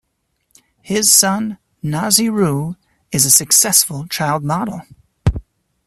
His son, Nahzi Rue, is a successful child model.